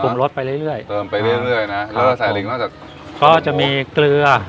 รสไปเรื่อยเรื่อยเติมไปเรื่อยเรื่อยนะแล้วก็ใส่ลิงนอกจากก็จะมีเกลือ